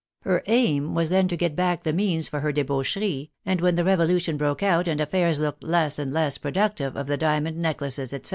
Her aim was then to get back the means for her debaucheries, and when the Revolution broke out and affairs looked less and less productive of diamond necklaces, etc.